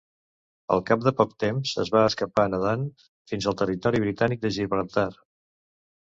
Al cap de poc temps es va escapar nadant fins al territori britànic de Gibraltar.